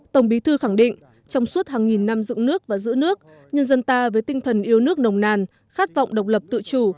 tổng bí thư khẳng định trong suốt hàng nghìn năm dựng nước và giữ nước nhân dân ta với tinh thần yêu nước nồng nàn khát vọng độc lập tự chủ